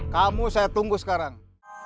kamu saya tunggu sekarang